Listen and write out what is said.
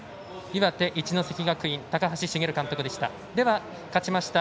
岩手・一関学院の高橋滋監督でした。